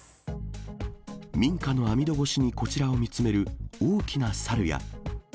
民家の網戸越しにこちらを見つめる大きな猿や。